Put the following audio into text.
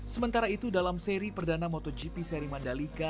sementara itu dalam seri perdana motogp seri mandalika